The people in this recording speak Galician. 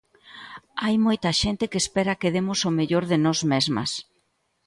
Hai moita xente que espera que demos o mellor de nós mesmas.